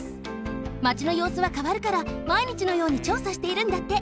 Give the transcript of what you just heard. マチのようすはかわるからまいにちのように調査しているんだって。